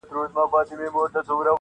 o دا خو ورور مي دی بې حده حرامخوره,